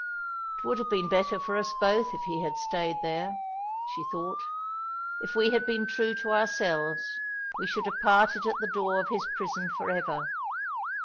"It would have been better for us both if he had stayed there," she thought. "If we had been true to ourselves we should have parted at the door of his prison for ever.